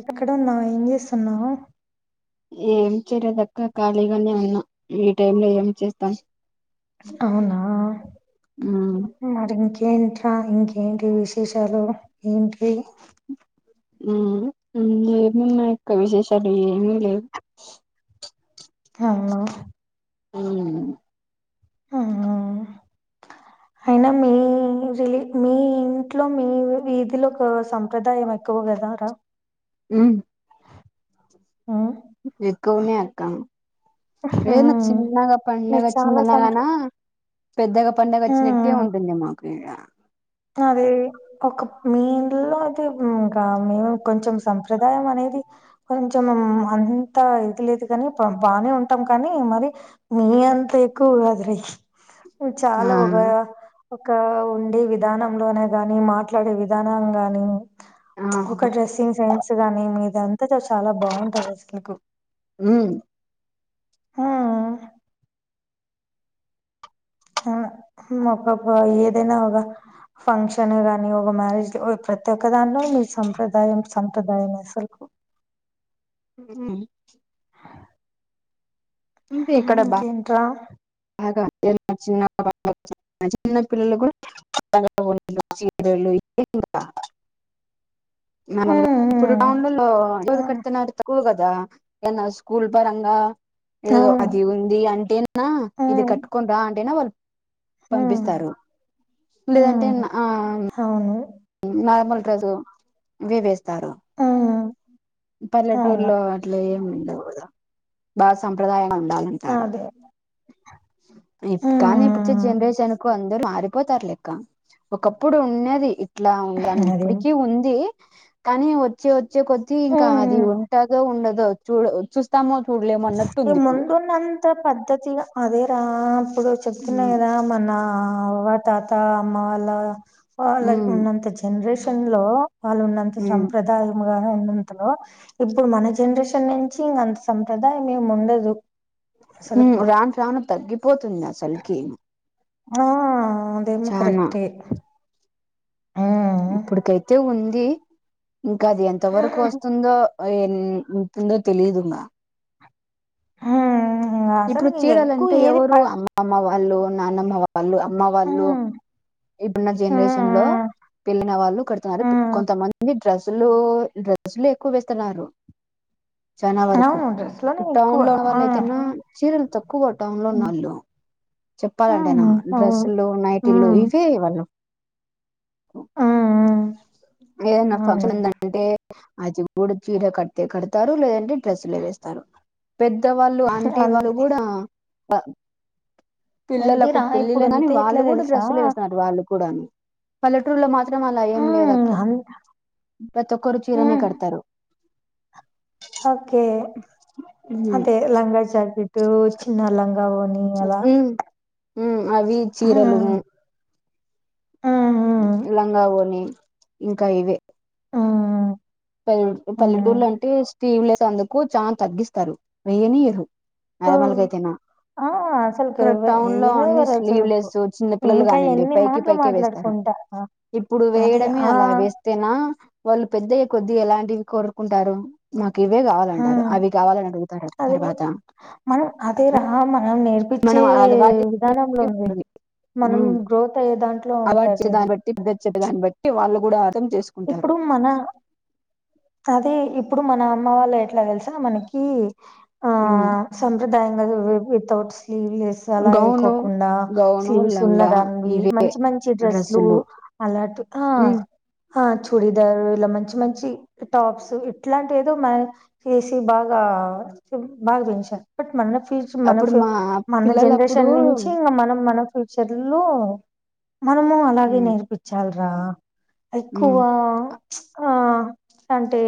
ఎక్కడ ఉన్నా ఏం చేస్తున్నావు ఏం చేరయేదక్క ఖాళీగానే ఉన్నా ఈ టైమ్ లో ఏం చేస్తాం అవునా అ ఇం ఏంట్రా ఇంకేంటి విశేషాలు ఏంటి ఏమున్నా యొక్క విశేషాలు ఏమిీ లేవు అ ఆ హ అయినా మీలీ మీ ఇంట్లో మీ వీధిలో ఒక సంప్రదాయం ఎక్కువ కదారా ఉ ఉమ్ ఎక్కువనే అక్క ఏదన్నా ఉమ్, చిన్నగా పడుగ మీరు చాలా సంప్ర చిన్ననగానా పెద్దగా పడుగ వచ్చినట్టే ఉంటుంది అమ్మా కే అదే ఒక మీ ఇంట్లో అయితే ఇంకా మేము కొంచెం సంప్రదాయం అనేది కొంచెం అంతా ఇది లేదు కానీ బానే ఉంటాం కానీ మరి మీ అంతా ఎక్కువ కదురయ ఆ చాలా ఒకగా ఒక ఉండే వి విధానంలోనే గాని మాట్లాడే విధానం గాని ఆ ఒక డ్రెస్సింగ్ సైన్స్ గానే మీద అంత చ చాలా బాగుంటది అసలకు ఆా ఒక ఏదైనా ఒక ఫంక్షన్ గానీ ఒక మ్యారేజ్ ప్రతి ఒక్క దానిలో మీ సంప్రదాయం సంప్రదాయం అసలు అ అంటే ఇక్కడ కేంట బాగా చి చిన్న పిల్లలు కూడా మమ హ్మ్. ఇప్పుడు హ్మ్. టౌన్లలోో హ్మ్. కడుతున్నారు తక్కువ కదా ఎంద స్కూల్ పంగా ఏదో అవును అది ఉంది అంటేనా హ్మ్. కట్కుా అంటేనా వాళ్ హ్మ్. పంపిస్తారు లేదంటే హ్మ్. ఆ అవును నార్మల్ రోజు వి వేస్తారు హ్మ్. అవును పల్లెటూర్లో అట్లా ఏమిండవు బల్ సంప్రదా ఉండాలంటారు అదే కానీ ఇప్పుచ్చే హ్మ్. జనరేషన్ కు అందరుూ మ పోతారు లెక్క ఒకప్పుడు ఉన్నది ఇట్లా ఉందని అదేం ఇప్పటిక ఉంది కానీ వచ్చే వచ్చే కొది ఉమ్ కాది ఉంటదో ఉండదుో చూ చూస్తాము ఈ ముందున్నంత పద్ధతిగా అదేరా ఆ ఇప్పుడు చెప్తున్నా ఉమ్ కదా మన తాత అమ్మ అలా లా ఉమ్ ఉన్నంత జనరేషన్ లో వాళ్ళు ఉన్నంత ఉమ్ సంప్రదాయం ఉన్నంతలో ఇప్పుడు మన జనరేషన్ నుంచి ఇంంత ప్రదా మేము ఉండదు అసలుకు రాను రాను తగ్గిపోతుంది అసలుగా ఓకే ఆ అదేమ కరెక్ట్ే ఆ ఇప్పుడికైతే ఉంది ఇంకా అది ఎంత వరకు వస్తుందో ఉంటుందో తెలిదుంగా హా ఇప్పుడు చీరలుంటే ఎవరు అమ్మ అమ్మవ అల్లు నాన్నమ్మ వాళ్ళు అమ్మ వాళ్ళు ఉమ్ ఇప్పుడున్న ఉమ్ జనరేషన్ లో పళ్లిన వాళ్ళు కడుతున్నారు. ఉమ్ ఉమ్. కొంతమంది డ్రెస్సులు డ్రస్సులు ఎక్కువ వేస్తున్నారు. చాలా వరకు అవును డ్రెస్ లోనే ఎక్కువ టౌన్ లో ఉన్న ఆ వాళ్ళు అయితేనా చీరలు తక్కువ టౌన్ లో ఉన్న ఉమ్ వాళ్ళు చెప్పాలంటేనా ఉమ్, అవును డ్రెస్సులు ఆ నైటిలు. వన ఆ ఏదన్న ఆ అవును ఫంక్షన్ంద అంటే అది కూడాడ చీడ కట్టతే కడతారు లేదంట డ్రెస్లే వేస్తారు. పెద్ద వాళ్ళు అంటి అంతే వాళ్ళు కూడా బ పిల్లలకు అంతేరా ప ఇప్పుడు పెళ్ళలు కాని అంతే ఎట్లా వాళ్ళు కూడా తెలుసా డ్రస్లు వేస్తారు డ పలటరు మా మాత్రం అలా ఏం మ్మ్ లేదక్క అన్ ప్రతి ఒక్కరు చీరనే మ్మ్ కడతారు. ఓకే ఉమ్ అదే లంగా జాకెట్ట్టు చిన్న లంగా వో న ఎలా ఉ అవి చీరలు మ్మ్ ఓని ఇంకా ఇవే మ్మ్ ల్లె మ్మ్ పల్లెటూర్లు అంటే టీవీ లేసేందుకు చాల తగ్గిస్తారు వయనియరు ఓ అలమలగ అయితేనా ఆ అసలుకు ఇక్కడ ఎవ టౌన్ లో అన్ని ఎయ్యనివ్వరు అసలుకు స్లీవ్లెస్ చిన్న పిల్లలు ఇంకా కానిండి ఎన్ని పైకి మాటలు పైకి వేస్తారు. మాట్లాడుకుంటా ఇప్పుడు అదే వేయడమే ఆ అలా వేస్తేనా వాళ్ళు పెద్ద కొద్ది ఎలాంటివి కోరుకుంటారు మా ఇవే ఆ కావాలంటారు అవి కావాలని అడుగుత అది తర్వాత పపచ్చే మనం అలవాటు విధానంలో ఉంది మనం గ్రోత్ అయ అవార్డ్ చే దాన్ని బట్టి పెద్దే దాన్ని బట్టి వాళ్ళు గుడ ఇప్పుడు మన అదేప్పు ఇప్పుడు మన అమ్మ వాళ్ళ ఎట్లా తెలిసిన మనకి ఆ ఉమ్ సాప్రదా వితౌట్ స్లీవ్ లెస్ అలా గౌను వేకోకుండా గౌను స్లీవ్స్ ఉన్న లంగా దావి ఇవే మంచి మంచి డ్రెస్లు డ్రెస్సులు అలాంటి ఉమ్ ఆ చూడీదారు ఇలా మంచి మంచి టాప్స్ ఇట్లాంటి ఏదో మ చేసి బాగా బాగా పెంచారు బట్ మన ఫూ మన అప్పుడు ఫ మా మన పిల్లలప్పుడు జనరేషన్ నుంచి ఇంకా మనం మన ఫ్యచర్లు మనము అలాగే ఉమ్ నేర్పించాలి రా ఎక్కువ ఉమ్ ఆ అంటే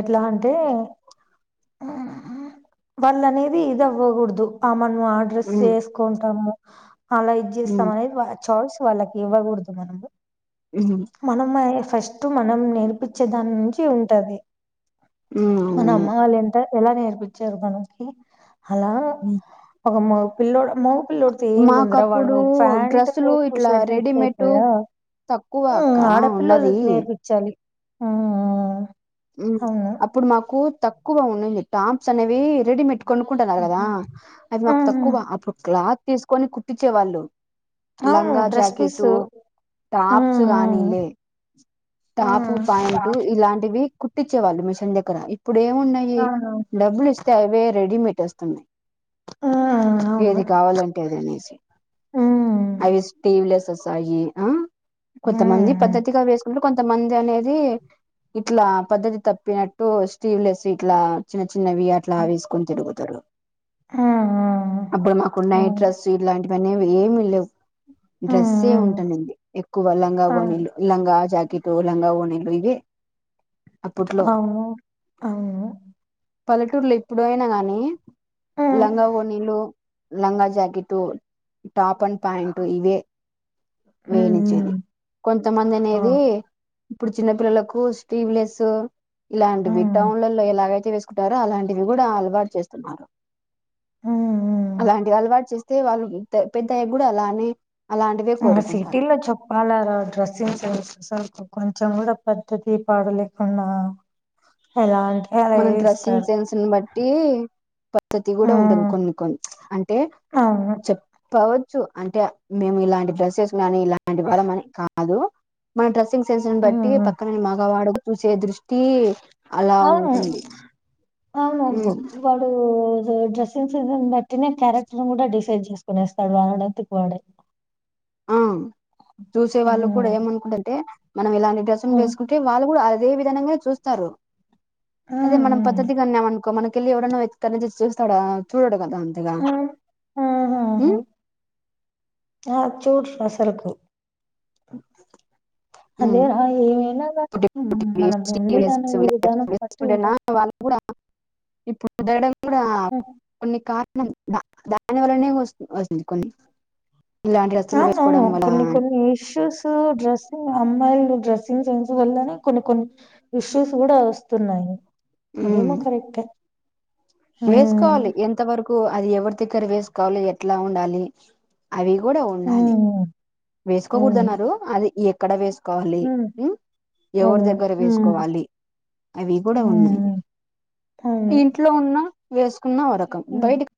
ఎట్లా అంటే వాళ్ళ అనేది ఇవకూడదు ఆ మన్న ఆర్డ్రస్ ఉమ్ చేసుకుంటాము అలా ఇది చేస్తాం ఉమ్ అనేది చార్స్ వాళ్ళకి ఇవ్వకూడదు మనము ఉమ్ మనమ్మ ఫస్ట్ మనం నేర్పించే దాని నుంచి ఉంటది అ మన అమ్మ వాళ్ళు ఎలా నేర్పిించ నకి అలా ఉ ఒక పల్లోడు మగపిల్లడితో ఏ ముందిరా వాడు మాకప్పుడు ఒక ప్యాంటట్ డ్రెస్సులు ఒక ఇట్లా స్వెట్ర్ ఇస్త రెడీమేడ్ అయిపోయా తక్కువ అక్క ఆడపిల్లల ఉన్నది నేర్పించాలి ఆ అప్పుడు మాకు తకువ ఉన్నంది టాప్స్ అనవే రెడిమేట్ కొనుక్కుంటున్నారు కదా ఆహా! అది ఆ మాకు తక్కువా అప్పుడు క్లాత్ తీసుకొని కుట్టించేవాళ్ళు అవును లంగా డ్రెస్ పీస్ జాకెట్ ఆ టాప్స్ గానీ లే ఆ టాపు పాయింట్ ఇలాంటి కుట్టిచ్చే వాళ్ళుమిిషన్క్క ఇప్పుడు ఏమున్నాయి అవును డబ్బులు ఇస్త వే రెడిమేట్ వస్తున్నాయి ఆ అవును ఏది కావాలంటేది అనేసి ఉమ్ అఐవిటీవ్లెస్ సయి ఆ ఆ కొంతమంది పద్దతిగా వేసు కొంతమంది అనేది ఇట్లా పద్ధతి తప్పినట్టు స్టీవ్ లెస్ ఇట్లా చిన్న చి చిన్నవి అట్లా వేసుకొని తిరుగుతూ ఆ [inaudible] అప్పుడు ఆ మాకున్నాయి డ్రెస్సు ఇలాంటివి పనేమీ ఏమి లేవ్ డ్రెస్సే ఉంటానండి ఎక్కువ లంగా ఆ అవును ఓనీళ్లు లంగా కితో లంగా ఓణీలు ఇవే అప్పట్లో అవు అవు పల్లెటూర్లో ఇప్పుడైనా గాని హ్మ్. లంగా ఓనీలు లంగా జాకెట్టు టాప్ అండ్ పాయాంట్ ఇవే వేయనిచ్చేది హ్మ్. కొంతమంది అనేది ది ఇప్పుడు చిన్న పిల్లలకు స్లీవ్ లెస్ ఇలాంటి వి హ్మ్. టౌన్లలో ఎలాగయితే వేసుకుంటార అలాంటివి కూడా అలవాటు చేస్తున్నారు ఆ అలాంటి అలవాటు చేస్త అయితే వాళ్ళు పెద్దయ్య గుడా అలానే అలాంటివే కోరుకుంటారు సిటీలో చేప్పాలా రా డ్రెస్సింగ్స్ సెన్స్ అసలు కొంచెం కూడా పద్ధతి పాడు లేకుండా అలాంటి మన డ్రెస్సింగ్ సెన్స్ నీ బట్టి టి పద్ధతి కూడా ఉంటుంది కొన్ని కొన్ని అంటే అవును చెప్పవ చ్చు అంటే మేము ఇలాంటి డ్రెస్సెస్ గానీ ఇలాంటి వారమని కాదు మన డ్రెసింగ్ సెన్స్ నీ బట్టి హ్మ్. పక్కన మగ వాడు చూసే దృష్టి ట్టి అలా ఉన్ అవును అవును అబ్బో వాడు డ్రెస్సింగ్ సెన్ బట్టినే క్యారెక్టర్ ను కూడా డిసైడ్ చేసుకునేస్తాడు వాడంతట వాడే ఆ చూసే వాళ్ళు కూడా హ్మ్ ఏమనుకుంటంటే మనం ఇలాంటి డ్రెస్సింగ్ వేసుకుంటే వాళ్ళ కూడా అదే విధంగా చూస్తారు అదే మనం హ్మ్ పద్ధతిగా ఉన్నామ అనుకో మనకి అకడకేలి ఎవడన్నా వెనకాల నుండి చూస్తాడా చూడడు అది అంతే గా ఆహాహా హమ్ ఆ చూడు రసలుకు ఉమ్ అదే రా ఏమైనా కా మనం ఉండేదాని ఊదానం బట్టి వేసుకుంటేనా ఉంటాం వాళ్ళు కూడా ఇప్పుడు ఇ కొన్ని కా ద దాని వల్లనే వస్తు వస్తుంది కొన్ని ఇలాంటి డ్రస్సులు అవును అవును వేసుకోవడం వల్ల కొన్ని కొన్ని ఇష్యూస్ డ్రెస్సింగ్ అమ్మాయి డ్రెసింగ్ సన్స్ కొన్ని కొన్ని ఇష్యూస్ చూడ వస్తున్నాయి అదే ఉమ్ మా కరెక్ట్ వేసుకోవాలి ఎంత వరకు అది ఎవరి తికర వేసుకోవాలి ఎట్లా ఉండాలి అవి కూడా ఉండాలి హ్మ్ వేసుకోకూడదు అవును అన్నారు అది ఎ కడ వే కోవాలి హ్మ్ ఎవరి అవును దగ్గర హ్మ్ వేసుకోవాలి అవి కూడా ఉన్నాయి మ్మ్. అవును. ఇంట్లో ఉన్న వస్ న్న వరకం హ్మ్. బయటకి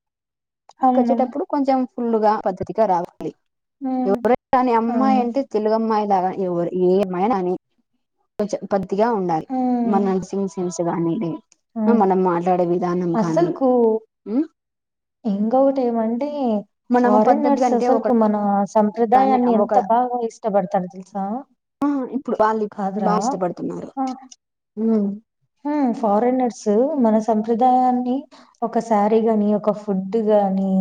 అవును. వచ్చేటప్పుడు కొంచెం పుల్లుగా పద్ధతిగా రావాలి హ్మ్. ర కాని అమ్మాయి అవును. అంటే తెలుగుమ్మాయి దాగా ఏమ ఉండాలి హ్మ్. మనసి గానే అవును. మనం మాట్లాడే విధానం కానీ ఇంకొ ఒకటి ఏమంటే మనము పద్ధతిగా ఫారెన్ర్స్ అంటే ఒక అసలుకి మన సంప్రదాయాన్ని ఒక ఎంత బాగా ఇష్టపడతారు తెలుసా ఇప్పుడు వాళ్ళు కాదరా బాగా ఇష్టపడుతున్నారు మ్ ఫారినర్స్ మన సంప్రదాయాన్ని ఒక శారీ గాని ఒక ఫుడ్ గాని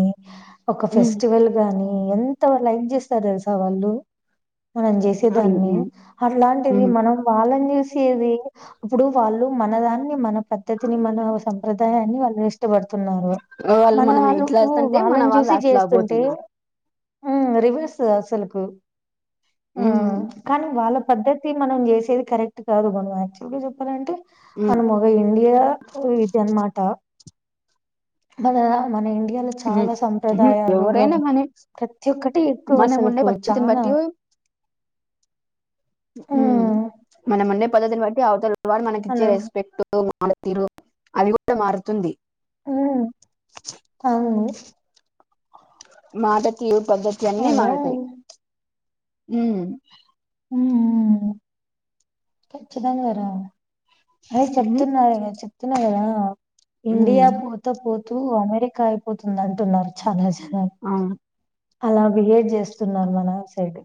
ఒక ఫెస్టివల్ గాని ఈ ఎంత లైక్ చేస్తారు తెలుసా వాళ్ళు మనం చేసేదాన్ని అట్లాంటిది మనం వాళ్ళని చూ చేది ఇప్పుడు వాళ్ళు మనదాన్ని మన పద్ధతిని మన సంప్రదాయాన్ని వాల్ వేష్ ష్టపడుతున్నారు వాళ్ళు మన మనం ఇట్లా వాళ్లకు వస్తుంటే మన వాళ్ళని వాళ్ళు చూసి అట్లా చేస్తుంటే పోతున్నారు మ్ రివర్స్ అస్సలకు మ్ కానీ వాళ్ళ పద్ధతి మనం చేసేది కరెక్ట్ కాదు మనం యాక్చువల్ గా అదేంటి మనం ఒక ఇండియా ఇది అనమాట మన మనిం ఇయాల చాలా సంప్రదాయాలు కానీ ప్రతి ఒక్కటి ఎక్కువ మనం ఉండే అసలుకు పద్ధతిని చానా మ్ హ్మ్. మనముండే పద్ధతిని బ అవతల వాళ్ళు మనకిచ్చే అలా రెస్పెక్ట్ ఆమె తీరు అది కూడా మారుతుంది మ్ అయింది మాటతీ పద్ధతి అన్ని హలో మారుతాయి ఉమ్ మ్మ్ కచ్చితంగా వరా అదే ఉహు చెప్తున్నారు చెప్తున్నారు కదా ఆ ఇండియా ఉమ్ పోతే పో తూ అమెరికా అయిపోతుందంటున్నారు చానా జ అవును అలా బిహేవ్ చేస్తున్నారు మన సైడ్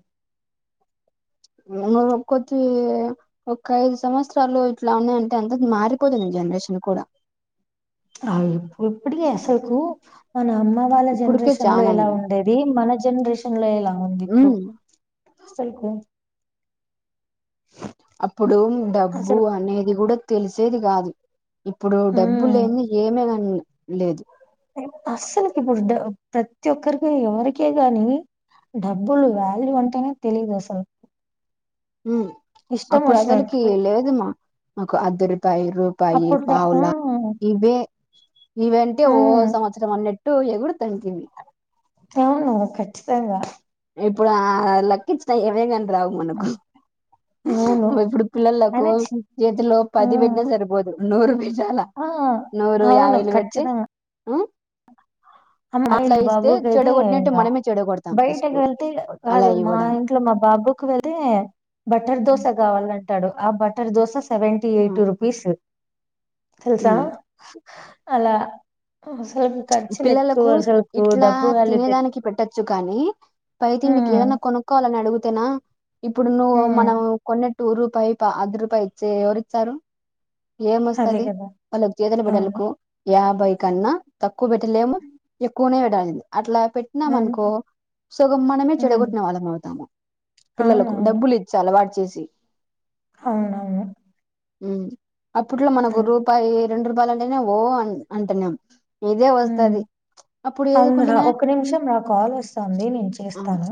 ఇంకో కొద్ది ఒక్క ఐదు సంవత్సరాలు ఇట్లా ఉన్నాయంటే అందరు మారిపోతుంది జనరేషన్ కూడా ఆ ఇప్పుడు ఇప్పటికీ అసలుకు మనం నానోళ్ళ ఇప్పుడుకే జనరేషన్లో చానా ఎలా ఉంది. ఉండేది మన జ జనరేషన్ లే ఇలా అవునండి ఇప్పుడు ఉమ్ సరపో అప్పుడు డబ్బు అసలు అనేది కూడా తెలిసేది కాదు ఇప్పుడు డబ్బు ఉమ్ లేందే ఏమీ గాని లేదు అస్సలకి ఇప్పుడు డప ప్రతి ఒక్కరికి ఎవరికీ గాని డబ్బులు వాల్యూ అంటేనే తెలిదు అసలు ఇష్టం అప్పుడు అసలకి వచ్చినట్టు లేదమ్మా అద [unintelligible] అర్ధ రూపాయి అప్పుట్లో ఆ పావలా ఇవే ఇవంటే ఆ ఓ సంవత్సరం అన్నట్టు ఇటు ఎగుడు తతివి అవును ఖచ్చితాంగా ఇప్పుడు ఆ లెక్కి ఇచ్చిన ఏవే కాంట రావు మనకు అవును ఇప్పుడు పిల్లలకు అనొచ్చు చేతిలో ఆ పది పెట్టిన సరిపోదు నోరు చాలా ఆ నూరు అవును యాభైలు పెడితే ఖచ్చితంగా అమ్మ, మా అట్లా ఇంట్లో ఇస్తే చెడ కొట్టినటు మనమే చెడ కొడతాం ఇకడకి వెళ్తే కాదు మా ఇంట్లో మా బాబుకు వెళ్తే బట్టర్ దోస ఉమ్, కావాలండి అంటాడు ఆ butter dosa seventy eight rupees తెల్సా ఉమ్. అలా మనం ఖర్చులు ఎక్ పిల్లలకు ఇట్లా తినేదానికి పెట్టొచ్చు కాని పై తికి హ్మ్ ఏదన్నా కొనుక్కోవాలని అడుగు అంతేనా ఇప్పుడు నువ్వు హ్మ్ మనం కొన్ని రూపాయి అర్ధరూపాయి ఇచ్చే ఎవరు ఇచ్చారు అదే ఏమొస్తది కదా వాళ్ళకి చేతుల అవును బెడలకు యా బైకన్నా ఎక్కువ పెట్టలేము ఎక్కునే [unintelligible] అట్లా పెట్టినామ అవును అనుకో సుగం మనమే హ్మ్ చెడగొట్టిన వాళ్ళం అవుతాము పిల్లలకు అవునవును డబ్బులు ఇచి అలవాటు చేసి అవునవును హమ్ అప్పుట్లో మనకు అలా రూపాయి రెండు రూపాయలు అంటేనే ఓ అ అంటున్నాము అవును రా ఏదికుంటేనే ఒక నిమిషం రా కాల్ వస్తుంది నేను ఆ చేస్తాను